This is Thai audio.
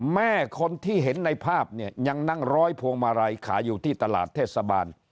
แม่คนที่เห็นในภาพเนี่ยยังนั่งร้อยพวงมาลัยขายอยู่ที่ตลาดเทศบาล